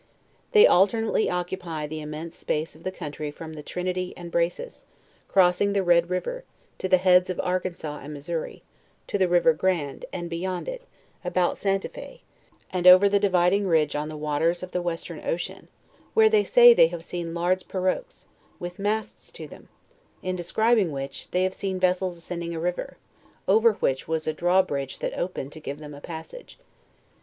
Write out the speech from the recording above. They alternately occu py the immense space of the country from the Trinity and Braces, crossing the Red river, to the heads of Arkansas and Missouri, to the river Grand, and beyond it, about St. a Fe, and over the dividing ridge on the waters of the Western ocean, where they say they have seen large peroques, with masts to them; in describing which, they have seen vessels ascending a river, over which was a draw bridge that opened to give them a passage.